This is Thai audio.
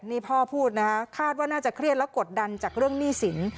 นี่พ่อพูดนะคะคาดว่าน่าจะเครียดและกดดันจากเรื่องหนี้สิน